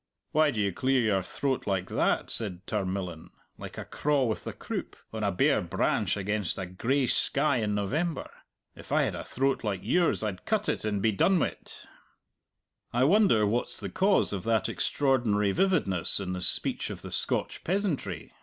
"Why do you clear your throat like that?" said Tarmillan "like a craw with the croup, on a bare branch against a gray sky in November! If I had a throat like yours, I'd cut it and be done wi't." "I wonder what's the cause of that extraordinary vividness in the speech of the Scotch peasantry?"